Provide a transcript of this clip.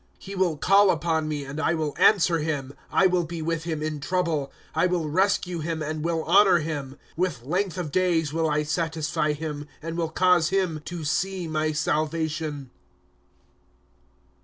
1^ He will call upon me, and I will answer him ; I will be with him in trouble ; I will rescue him, and will honor him. "" With length of days will I satisfy him, And will cause him to see my salvation.